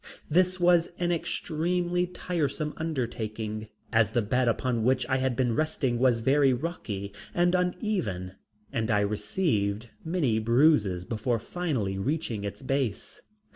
This was an extremely tiresome undertaking, as the bed upon which I had been resting was very rocky and uneven and I received many bruises before finally reaching its base.